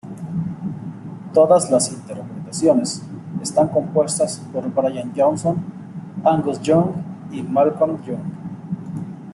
Todas las interpretaciones, están compuestas por Brian Johnson, Angus Young y Malcolm Young.